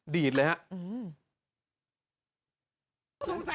ดีดเลยฮะ